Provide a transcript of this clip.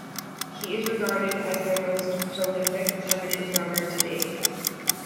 He is regarded as their most prolific 'permanent' drummer to date.